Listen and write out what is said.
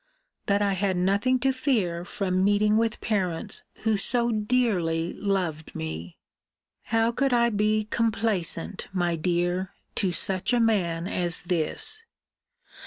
] that I had nothing to fear from meeting with parents who so dearly loved me. How could I be complaisant, my dear, to such a man as this?